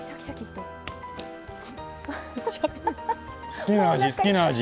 好きな味好きな味！